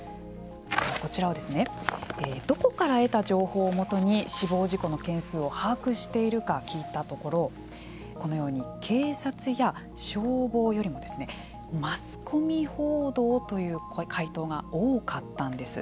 こちらはどこから得た情報を基に死亡事故の件数を把握しているか聞いたところこのように警察や消防よりもマスコミ報道という回答が多かったんです。